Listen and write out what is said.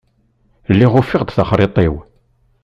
Lliɣ ufiɣ-d taxṛiṭ-iw.